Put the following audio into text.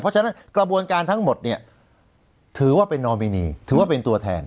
เพราะฉะนั้นกระบวนการทั้งหมดเนี่ยถือว่าเป็นนอมินีถือว่าเป็นตัวแทน